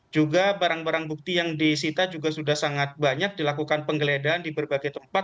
juga barang barang bukti yang disita juga sudah sangat banyak dilakukan penggeledahan di berbagai tempat